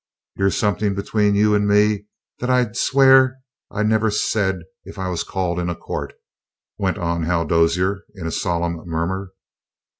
"Here's something between you and me that I'd swear I never said if I was called in a court," went on Hal Dozier in a solemn murmur.